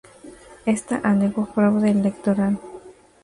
Esta alegó fraude electoral.